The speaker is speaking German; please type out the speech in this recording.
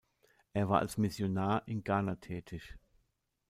Er war als Missionar in Ghana tätig.